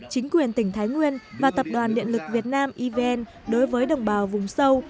chính quyền tỉnh thái nguyên và tập đoàn điện lực việt nam evn đối với đồng bào vùng sâu